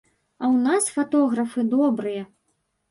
А ў нас фатографы добрыя.